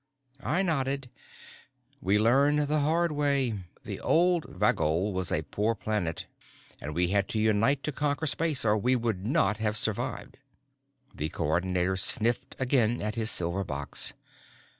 I nodded. "We learned the hard way. The old Valgol was a poor planet and we had to unite to conquer space or we could not have survived." The Coordinator sniffed again at his silver box.